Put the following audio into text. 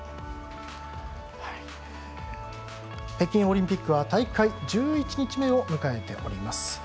北京オリンピックは大会１１日目を迎えております。